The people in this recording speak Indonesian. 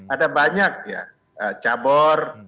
ada banyak cabor